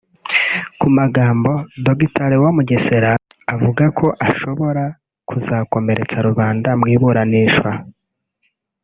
Ku magambo Dr Leon Mugesera avuga ko ashobora kuzakomeretsa rubanda mu iburanisha